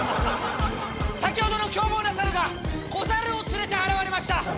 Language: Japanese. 先ほどの凶暴なサルが子ザルを連れて現れました。